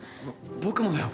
僕もだよ